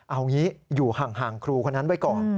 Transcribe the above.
เอางี้อยู่ห่างครูคนนั้นไว้ก่อน